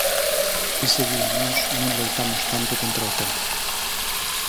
Ese día nós non loitamos tanto contra o tempo.